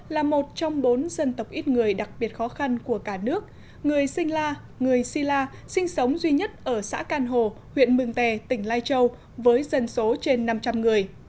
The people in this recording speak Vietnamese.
là một trong bốn dân tộc ít người đặc biệt khó khăn của cả nước người sinh la người si la sinh sống duy nhất ở xã can hồ huyện mường tè tỉnh lai châu với dân số trên năm trăm linh người